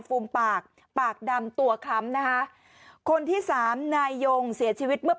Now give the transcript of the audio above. ฟูมปากปากดำตัวคล้ำนะคะคนที่สามนายยงเสียชีวิตเมื่อ